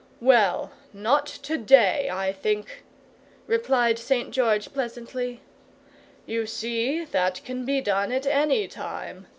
"Well, not TO DAY, I think," replied St. George, pleasantly. "You see, that can be done at ANY time.